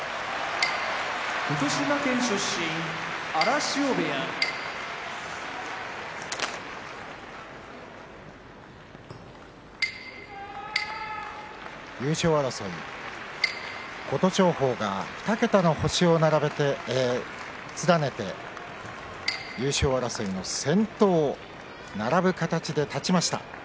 福島県出身荒汐部屋優勝争い琴勝峰が２桁の星を連ねて優勝争いの先頭を並ぶ形で立ちました。